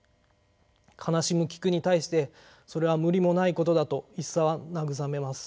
悲しむ菊に対してそれは無理もないことだと一茶は慰めます。